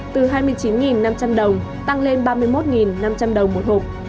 từ hai mươi chín năm trăm linh đồng tăng lên ba mươi một năm trăm linh đồng một hộp